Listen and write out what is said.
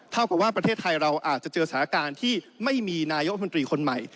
เท่ากับว่าประเทศไทยเราอาจจะเจอสถานการณ์ที่ไม่มีนายกรัฐมนตรีคนใหม่